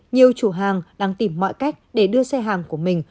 nhiều chủ hàng đang tìm mọi cách để đưa xe hàng của mình